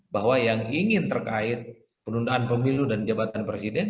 bahwa yang ingin terkait penundaan pemilu dan jabatan presiden